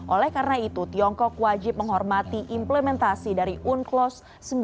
oleh karena itu tiongkok wajib menghormati implementasi dari unclos seribu sembilan ratus sembilan puluh